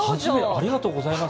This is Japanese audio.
ありがとうございます。